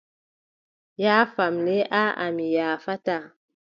Yoofam le aaʼa mi yoofataaa.